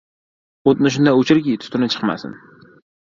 • O‘tni shunday o‘chirki, tutuni chiqmasin.